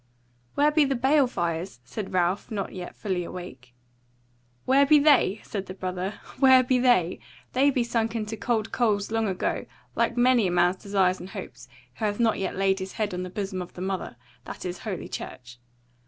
"Where be the bale fires?" said Ralph, not yet fully awake. "Where be they!" said the brother, "where be they! They be sunken to cold coals long ago, like many a man's desires and hopes, who hath not yet laid his head on the bosom of the mother, that is Holy Church.